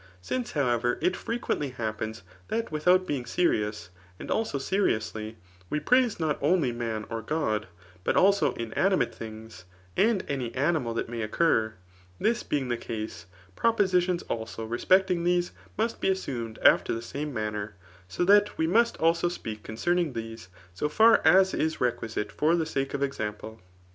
Since, howev!er, it frequently haqppens that widi« oi»t being serious, abd alto seriously, we praiae not only man or God, but also inanimate things^ and any animal that may occur ;— this being the case, prc^)o$itions also respecting these must be ass^med after the same manner^ 40 that we must also q>eak concerning these, so fur as is requisite for the sake of example.